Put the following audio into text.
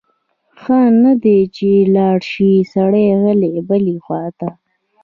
ښه نه ده چې لاړ شی سړی غلی بلې خواته؟